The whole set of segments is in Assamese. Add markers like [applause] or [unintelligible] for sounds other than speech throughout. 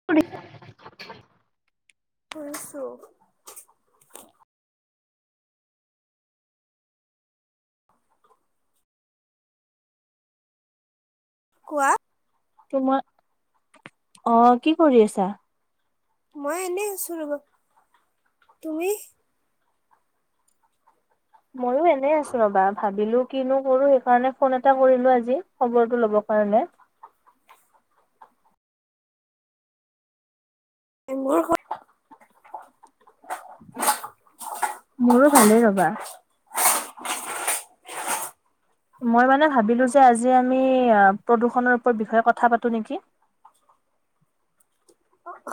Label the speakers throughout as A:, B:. A: শুনিছোঁ। কোৱা
B: তোমাৰ অ', কি কৰি আছা?
A: মই এনেই আছোঁ ৰ'বা। তুমি?
B: ময়ো এনেই আছো ৰবা। ভাবিলো কিনো কৰোঁ, সেইকাৰণে ফোন এটা কৰিলো আজি, খবৰটো ল'ব কাৰণে।
A: [inaudible]
B: মোৰো ভালেই ৰবা। মই মানে ভাবিলো যে আজি আমি প্ৰদূষণৰ ওপ বিষয়ে কথা পাতো নেকি!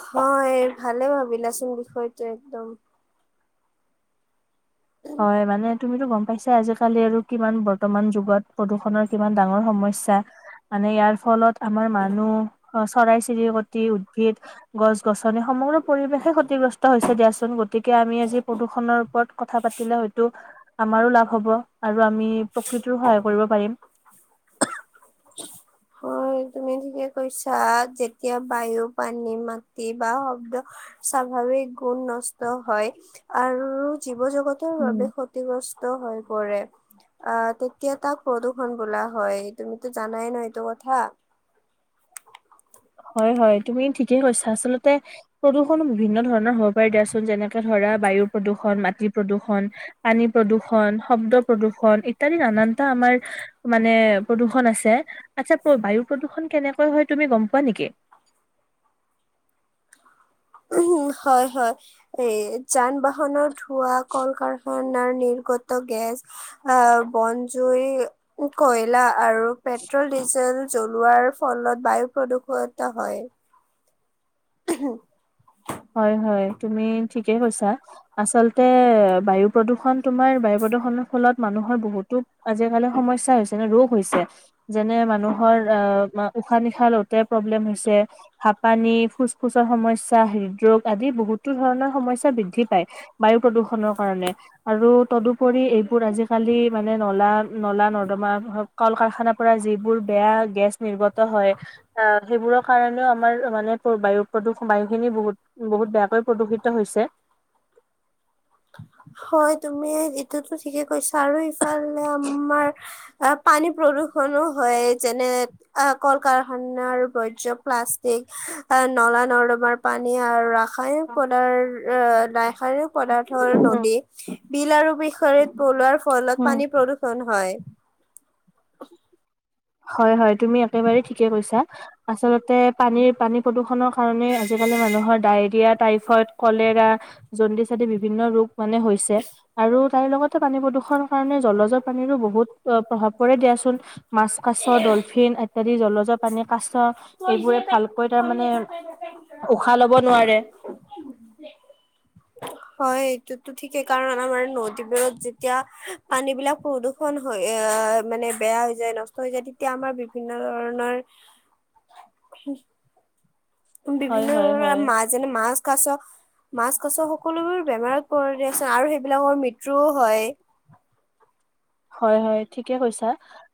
A: হয়, ভালে ভাবিলাচোন বিষয়টো একদম!
B: হয়, মানে তুমিতো গম পাইছাই আজিকালি আৰু কিমান বৰ্তমান যুগত প্ৰদূষণৰ কিমান ডাঙৰ সমস্যা! মানে ইয়াৰ ফলত আমাৰ মানুহ, চৰাই চিৰিকতি, উদ্ভিদ গছ গছনি, সমগ্ৰ পৰিৱেশে ক্ষতিগ্ৰস্ত হৈছে দিয়াচোন, গতিকে আমি আজি প্ৰদূষণৰ ওপৰত কথা পাতিলে হয়তো আমাৰো লাভ হ'ব আৰু আমি প্ৰকৃতিৰো সহায় কৰিব পাৰিম।
A: অ, তুমি ঠিকে কৈছা। যেতিয়া বায়ু, পানী, মাটি বা শব্দ স্বাভাৱিক গুণ নষ্ট হয়, আৰু জীৱ জগতৰ
B: উম
A: বাবে ক্ষত তিগ্ৰস্ত হৈ পৰে। আহ তেতিয়া তাক প্ৰদূৰ্ষণ বোলা হয়। তুমিতো জানাই ন এইটো কথা!
B: হয়, হয়, তুমি ঠিকেই কৈছা। আচলতে প্ৰদূষণ বিভিন্ন ধৰণ ণৰ হ'ব পাৰে দিয়াচোন, যেনেকে ধৰা বায়ু প্ৰদূষণ, মাটি প্ৰদূষণ পানী প্ৰদূষণ, শব্দ প্ৰদূষণ ইত্যাদি নানানটা আমাৰ মানে প্ৰদূষণ আছে, আচ্ছা প্ৰ বায়ু প্ৰদূষণ কেনেকৈ হয় তুমি গম পোৱা নেকি?
A: উম হয় হয় এ যান বাহনৰ ধোৱা, কল কাৰখানাৰ নিৰ্গত গেছ আ বনজুই কয়লা আৰু পেট্ৰল ডিজেল জ্বলোৱাৰ ফলত বায়ু প্ৰদূষিত হয়। [inaudible]
B: হয়, হয়, তুমি ঠিকে কৈছা। আচলতে বায়ু প্ৰদূষণ তোমাৰ বায়ু প্ৰদূষণৰ ফলত মানুহৰ বহুত তো আজিকালি সমস্যা হৈছে ন ৰোগ হৈছে যেনে মানুহৰ আ, উশাহ নিশাহ লওঁতে প্ৰব্লেম হৈছে, হাপানী, ফুচ চৰ সমস্যা, হৃদৰোগ আদি বহুতো ধৰণৰ সমস্যা বৃদ্ধি পায়। বায়ু প্ৰদূষণৰ কাৰণে। আৰু তদুপৰি এইবোৰ আজি কালি মানে নলা, নলা নৰ্দমা হ‌ওক, কল কাৰখানাৰ পৰা যিবোৰ বেয়া গেছ নিৰ্গত হয়, এ সেইবোৰৰ কাৰণেও আমাৰ মানে বায়ু প্ৰদূষ বায়ু খিনি বহুত বহুত বেয়াকৈ প্ৰদূষিত হৈছে।
A: হয় তুমি এইটোতো ঠিকে কৈছা, আৰু ইফালে আমাৰ আ পানী প্ৰদূষণো হয়, যেনে অ, কল কাৰখানাৰ বৰ্জ প্লাষ্টিক, নলা নৰ্দমাৰ পানী আৰু ৰাসায়নিক পদাৰ ৰাসায়নিক পদাৰ্থৰ নদী
B: উম।
A: বিল আৰু [unintelligible] পেলোৱাৰ ফলত পানী প্ৰদূষণ হয়।
B: হয়, হয়, তুমি একেবাৰে ঠিকেই কৈছা আচলতে পানীৰ পানী প্ৰদূষণৰ কাৰণে আজিকালি মানুহৰ ডায়েৰিয়া, টাইফইড, কলেৰা জণ্ডিচ আদি বিভিন্ন ৰোগ মানে হৈছে। আৰু তাইৰ লগতে পানী প্ৰদূৰষণৰ কাৰণে জলজৰ পানীৰো বহুত প্ৰভাৱ পৰে দিয়াচোন। মাছ, কাছ, ডলফিন ইত্যাদি জলজ পানী কাছ। এইবোৰে ভালকৈ তাৰমানে উশাহ লব নোৱাৰে
A: [unintelligible] হয়, এইটোতো ঠিকেই কাৰণ আমাৰ নদীবোৰত যেতিয়া পানী বিলাক প্ৰদূ ষণ হৈ আহ' মানে বেয়া হৈ যায় নষ্ট হৈ যায়। তেতিয়া আমাৰ বিভিন্ন ধৰণৰ [unintelligible]
B: হয়
A: বিভিন্ন
B: হয়
A: ধৰণৰ
B: হয়।
A: মাছ যেনে মাছ, কাছ মাছ, কাছ সকলোবোৰ বেমাৰত পৰি আছে আৰু সেইবিলাকৰ মৃত্যুও হয়।
B: হয় হয়, ঠিকে কৈছা।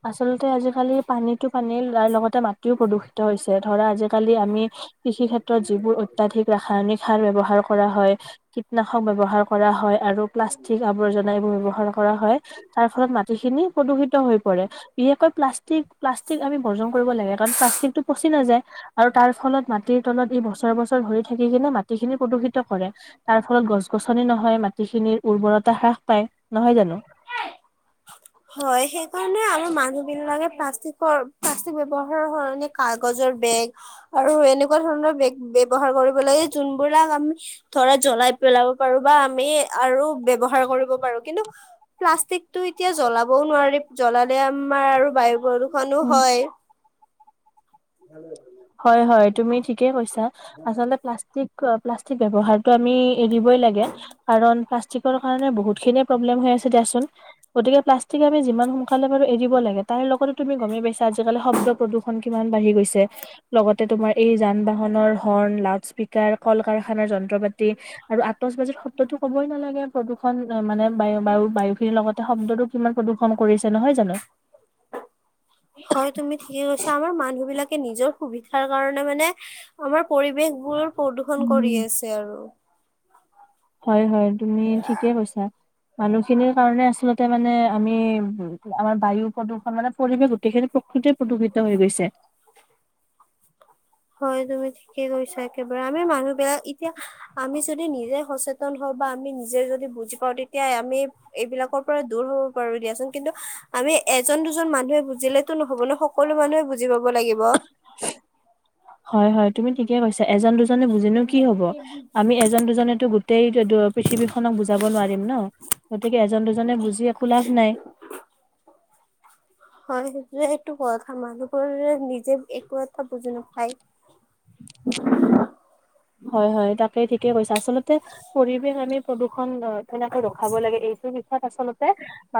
B: আচলতে আজিকালি পানীটো পানী তাৰ লগতে মাটিও প্ৰদূষিত হৈছে। ধৰা আজিকালি আমি কৃষি ক্ষেত্ৰত যিবোৰ অত্যাধিক ৰাসায়নিক সাৰ ব্যয়ৱহাৰ কৰা হয়- কীটনাশক ব্যৱহাৰ কৰা হয় আৰু প্লাষ্টিক আৱৰ্জনা এইবোৰ ব্যৱহাৰ কৰা হয়। তাৰ ফলত মাটিখিনি প্ৰদূষিত হৈ পৰে। বিশেষকৈ প্লাষ্টিক প্লাষ্টিক আমি বৰ্জন কৰিব লাগে কাৰণ প্লাষ্টিকটো পচি নাযায় আৰু তাৰ ফলত মা মাটিৰ তলত ই বছৰ বছৰ ধৰি থাকি কিনে মাটি খিনি প্ৰদূষিত কৰে। তাৰ ফলত গছ-গছনি নহয়, মাটিখিনিৰ উৰ্বৰতা হ্ৰাস পায়, নহয় জানোঁ।
A: হয়, সেইকাৰণে আমাৰ মানুহ বিলাকে প্লাষ্টিকৰ প্লাষ্টিক ব্যৱহাৰৰ সলনি কাগজৰ বেগ আৰু এনেকুৱা ধৰণৰ বেগ ব্যৱহাৰ কৰিব লাগে যোনবিলাক আমি ধৰা জ্বলাই পেলাব পাৰো বা আমি আৰু ব্যৱহাৰ কৰিব পাৰো। কিন্তু প্লাষ্টিকটো এতিয়া জ্বলাবও নোৱাৰি জ্বলালে আমাৰ আৰু বায়ু প্ৰদূষনো
B: উম
A: হয়। ভালে [unintelligible]
B: হয় হয়, তুমি ঠিকে কৈছা, আচলতে প্লাষ্টিক প্লাষ্টিক ব্যৱহাৰটো আমি এৰিবই লাগে। কাৰণ প্লাষ্টিকৰ কাৰণে বহুত খিনিয়ে প্ৰব্লেম হৈ আছে দিয়াচোন। গতিকে প্লা ষ্টিক আমি যিমান সোনকালে পাৰোঁ এৰিব লাগে। তাই লগত তুমি গমেই পাইছা আজিকালি শব্দ প্ৰদূষণ কিমান বাঢ়ি গৈছে। লগতে তোমাৰ এই যান-বাহনৰ হৰ্ণ, লাউড স্পীকাৰ, কল-কাৰখানাৰ, যন্ত্ৰ পাতি আৰু আতচবাজিত শব্দতো ক'বই নালাগে প্ৰদূষণ মানে বায়ু বায়ু বায়ু খিনিৰ লগতে শব্দটো কিমান প্ৰদূ্ষণ কৰিছে নহয় জানো।
A: হয়, তুমি ঠিকে কৈছা, আমাৰ মানুহ বিলাকে নিজৰ সুবিধাৰ কাৰণে মানে আমাৰ পৰিৱেশ বোৰ প্ৰদূৰষন কৰি
B: উম
A: আছে আৰু।
B: হয় হয়, তুমি ঠিকে কৈছা, মানুহখিনিৰ কাৰণে আচলতে মানে আমি উ, আমাৰ বায়ু প্ৰদূষণ মানে পৰিৱেশ গোটেইখিনি প্ৰকৃতি প্ৰদূষিত হৈ গৈছে।
A: হয়, তুমি ঠিকে কৈছা একেবাৰে, আমি মানুহ বিলাক এতিয়া আমি যদি নিজে সচে তন হওঁ বা আমি নিজে যদি বুজি পাওঁ তেতিয়া আমি এইবিলাকৰ পৰা দূৰ হ'ব পাৰো দিয়াচোন। কিন্তু আমি এজন দুজন মানুহে বুজিলেতো নহ'ব ন সকলো মানুহে বুজি পাব লাগিব।
B: হয় হয়, তুমি ঠিকে কৈছা, এজন দুজনে বুজিলো কি হ'ব, আমি এজন দুজনেটো গোটেই পৃথিৱীখনক বুজাব নোৱাৰিম ন। গতিকে এজন দুজনে বুজি একো লাভ নাই।
A: [unintelligible] হয়, সেইটো কথা, মানুহবোৰে নিজে একো এটা বুজি না পায়।
B: [inaudible] হয় হয় তাকে ঠিকেই কৈছে। আচলতে পৰিৱেশ আমি- প্ৰদূষন অ কেনেকে ৰখাব লাগে? এইটোৰ দিশত- আচলতে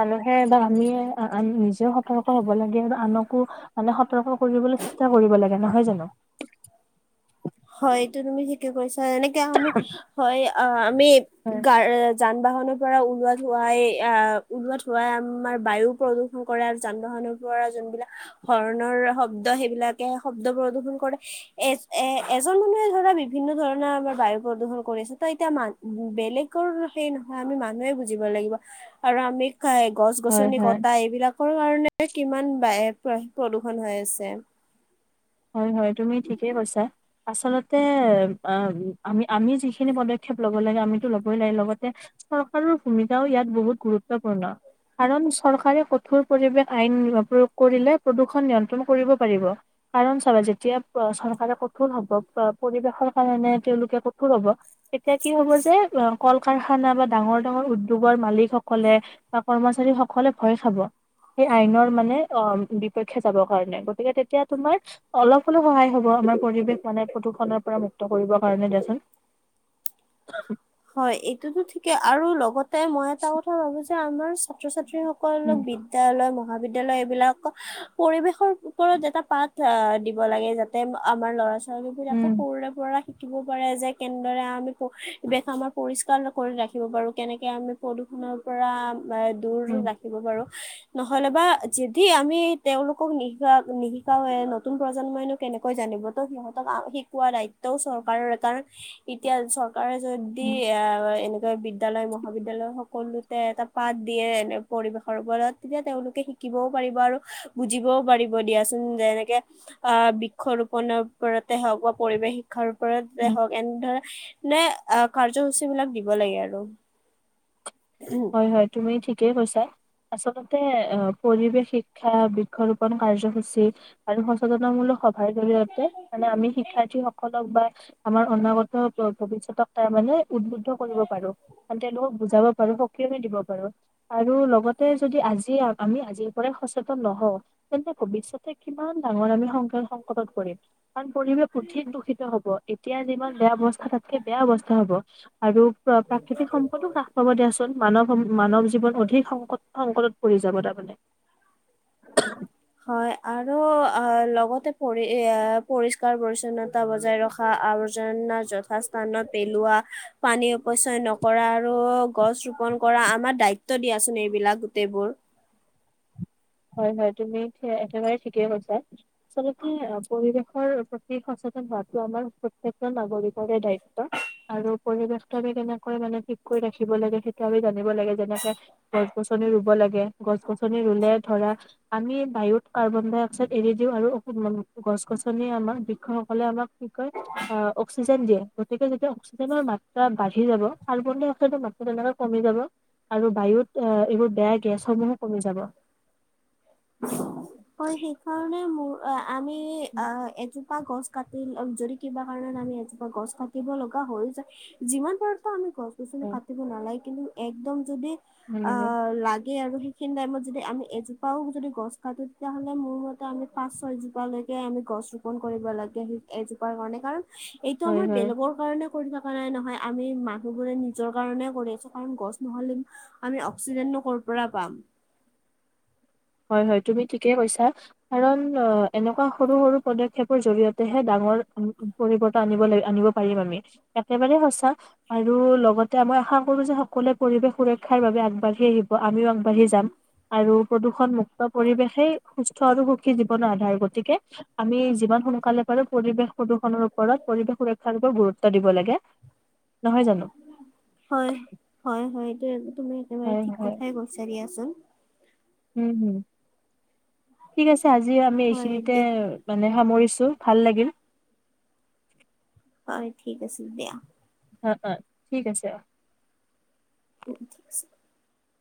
B: মানুহে বা আমি আ নিজেও সতৰ্ক হব লাগে আৰু আনকো- মানে সতৰ্ক কৰিবলৈ চেষ্টা কৰিব লাগে। নহয় জানো?
A: হয় এইটো তুমি ঠিকে কৈছা। এনেকে আমি হয় অ আমি
B: হয়
A: গা- যান বাহনৰ পৰা ওলোৱা ধোৱাই আহ ওলাৱা ধোৱাই আমাৰ বায়ু প্ৰদূ- খন কৰা যান বাহনৰ পৰা যোনবিলাক- হৰণৰ শব্দ সেইবিলাকে শব্দ প্ৰদূশন কৰে এচ এ- এজন মানুহে ধৰা বিভিন্ন ধৰণৰ আমাৰ বায়ু প্ৰদূষণ কৰি আছে। ত এতিয়া ম উ বেলেগ- কৰ সেই নহয় আমি মানুহে বুজিব লাগিব। আৰু আমি- খাই গছ
B: হয়
A: গছনি
B: হয়
A: কটা এইবিলাকৰ কাৰণে কিমান বায়ু প্ৰদূৰন হৈ আছে।
B: হয় হয় তুমি ঠিকেই কৈছা। আচলতে আ আমি আমি যিখিনি পদক্ষেপ ল'ব লাগে আমিতো ল'বই লাগে, লগতে- চৰকাৰৰ ভূমিকাও ইয়াত বহুত গুৰুত্বপূৰ্ণ। কাৰণ চৰকাৰে কঠোৰ পৰিবেশ আইন প্ৰয়োগ কৰিলে প্ৰদূৰ্ষণ নিয়ন্ত্ৰণ কৰিব পাৰিব। কাৰণ চাবা যেতিয়া চৰকাৰে কঠোৰ হব পৰিবেশৰ কাৰণে তেওঁলোকে কঠোৰ হব- এতিয়া কি হব যে, কল কাৰখানা বা ডাঙৰ ডাঙৰ উদ্যোগৰ মালিক সকলে- বা কৰ্মচাৰী সকলে ভয় খাব। সেই আইনৰ মানে অ বিপক্ষে যাব কাৰণে। গতিকে তেতিয়া তোমাৰ- অলপ হলেও সহায় হ'ব আমাৰ পৰিৱেশ মানে প্ৰদূষণৰ পৰা মুক্ত কৰিবৰ কাৰণে দেচোন- [inaudible]
A: হয় এইটোতো ঠিকেই আৰু লগতে মই এটা কথা ভাবিছোঁ আমাৰ ছাত্ৰ ছাত্ৰীস- সকলো
B: উম,
A: বিদ্যালয় মহাবিদ্যালয় এইবিলাক- পৰিৱেশৰ ওপৰত এটা পাঠ আহ দিব লাগে যাতে আমাৰ ল'ৰা- ছোৱালীবিলাকে
B: উম,
A: সৰুৰে পৰা শিকিব পাৰে যে কেনেদৰে আমি- পৰিৱেশ আমাৰ পৰিষ্কাৰ কৰি ৰাখিব পাৰো? কেনেকে আমি প্ৰদূষণৰ পৰা- দূৰ
B: উম,
A: ৰাখিব পাৰো? নহলে বা যদি আমি তেওঁওলোকক নিশিকা নিশিকাও এ নতুন প্ৰজন্মইনো- কেনেকৈ জানিব? তো সিহঁতক শিকোৱা দায়িত্বও চৰকাৰৰ। কাৰণ এতিয়া চৰ- কাৰে যদি
B: উম,
A: এ এনেকুৱা বি- বিদ্যালয় মহাবিদ্যালয় সকলোতে এটা পাঠ দিয়ে এনে পৰিৱেশৰ ওপৰত, তেতিয়া তেওঁলোকে হি- কিবও পাৰিব আৰু বুজিবও পাৰিব দিয়াচোন। যেনেকে- আহ বৃক্ষ ৰোপনৰ ওপতে হওক বা পৰিৱেশ শিক্ষাৰ- ওপৰতে
B: উম।
A: হওক এনেধ নে আহ কাৰ্যসূচী বিলাক দিব লাগে আৰু।
B: হয় হয় তুমি ঠিকেই কৈছে। আচলতে অ পৰিৱেশ শিক্ষা বৃক্ষৰোপন কাৰ্যসূচী- আৰু সচেতনামূলক সভাৰ জৰিয়তে, মানে আমি শিক্ষাৰ্থী সকলক বা- আমাৰ অনাগত ভৱিষ্যতক তাৰ মানে উদ্বুদ্ধ কৰিব পাৰো। মানে তেওঁলোকক বুজাব- মানে সকিয় দিব পাৰো। আৰু লগতে যদি আজি আমি আজিৰ পৰাই সচেতন নহওঁ- তেন্তে ভৱিষ্যতে কিমান ডাঙৰ আমি সংক সংকেটত কৰিম? কাৰণ পৰিৱেশ অধিক দূষিত হব। এতিয়া যিমান বেয়া অৱস্থা তাতকে বেয়া অৱস্থা হব। আৰু প্ৰাকৃতিক সম্পদো হা- হ'ব দিয়াচোন মানৱ মানৱ জীৱন অধিক সংক সংকটত পৰি যাব তাৰমানে।
A: [unintelligible] হয় আৰু অ লগতে পৰি পৰিষ্কাৰ পৰিচ্ছন্নত। বজাই ৰখা আৰ্জনাৰ যথা স্থানত পেলোৱা। পানী অচয় নকৰা আৰু গছ, ৰোপন কৰা আমাৰ দায়িত্ব দিয়াচোন এইবিলাক গোটেইবোৰ।
B: হয় হয় তুমি একেবাৰে ঠিকেই কছা। আচলতে পৰিৱেশৰ প্ৰতি সচেতন হোৱাাতটো আমাৰ প্ৰত্যেকজন নাগৰিকৰে দায়িত্ব। আৰু পৰিবেশটো আমি কেনেকৈ মানে ঠিক কৰি ৰাখিব লাগে সেইটো আমি জানিব লাগে যেনেকে গছ -গছনি ৰুব লাগে গছ -গছনি ৰুলে ধৰা। আমি বায়ুত কাৰ্বন -ডাই -অক্সাইড এৰি দিওঁ আৰু গছ গছনি আমাৰ বৃক্ষসকলে আমাক কি কয়। অ অক্সিজেন, দিয়ে গতিকে যেতি অক্সিজেনৰ মাত্ৰা বাঢ়ি যাব কাৰ্বন -ডাই -অক্সাইডৰ মাত্ৰা তেনেকে কমি যাব আৰু বায়ুত, এইবোৰ বেয়া গেছসমূহো, কমি যাব।
A: হয় সেই কাৰণে মোৰ আমি অ
B: যাব।
A: এয পা গছ, কাটি যদি কিবা কাৰণত আমি এজোপা গছ, কাটিব লগা হৈ যায়। যিমান পাৰো আমি গছ কাটিব নালাগে কিন্তু একদম যদি
B: নালাগে
A: আহ লাগে আৰু সিনি টাইমত যদি আমি এজোপাও যদি গছ, কাটো। তেতিয়াহ'লে মোৰ মতে আমি পাঁচ ছয়জোপাালৈকে আমি গছ ৰোপন কৰিব লাগে সেই এজোপাৰ কাৰণে কাৰণ। এইটো
B: হয়
A: আমাৰ
B: হয়
A: বেলগৰ কাৰণে কৰি থকা নাই নহয় আমি মানুহবোৰে নিজৰ কাৰণে কৰি আছো কাৰণ গছ, নহ'লে আমি অক্সিজেনো, কৰ'ৰ পৰা পাম।
B: হয় হয় তুমি ঠিকেই কৈছা। কাৰণ অ এনেকুৱা সৰু সৰু পদক্ষেপৰ জৰিয়তেহে ডাঙৰ পৰিৱৰ্তন আনিব লাগ আনিব পাৰিম আমি একেবাৰে সঁচা। আৰু লগতে আমই আশা কৰো যে সকলোৱে পৰিৱেশ সুৰক্ষাৰ বাবে আগবাঢ়ি আহিব আমিও আগবাঢ়ি যাম। আৰু প্ৰদূষণ মুুক্ত, পৰিৱেশেই সুস্থ আৰু সুখী জীৱনৰ আধাৰ গতিকে আমি যিমান সোনকালে পাৰো পৰিৱেশ প্ৰদূষণৰ, ওপৰত পৰিৱেশ সুৰক্ষ [unintelligible] গুৰুত্ব দিব লাগে নহয় জানো
A: হয় হয় হয় এই তুমি একেবাৰে
B: হয়
A: ঠিক
B: হয়
A: কথাই কৈছা দিয়াচোন।
B: উম হম ঠিক আছে আজিও আমি
A: হয়
B: এইখিনিতে
A: দে
B: মানে সামৰিছো ভাল লাগিল।
A: হয় ঠিক আছে দিয়া।
B: হয়, হয় ঠিক আছে।
A: অ ঠিক আছে।